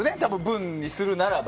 文にするならば。